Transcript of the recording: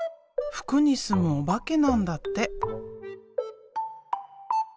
服に住むおばけなんだって。